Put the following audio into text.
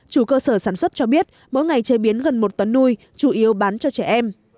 chủ cơ sở sản xuất cho biết mỗi ngày chế biến gần một tấn nuôi chủ yếu bán cho trẻ em